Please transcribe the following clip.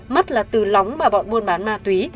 mắt là từ lóng mà bọn buôn bán ma túy